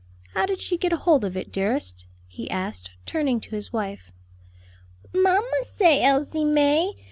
How did she get hold of it, dearest?" he asked, turning to his wife. "Mamma say Elsie may.